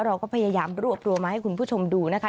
เราก็พยายามรวบรวมมาให้คุณผู้ชมดูนะคะ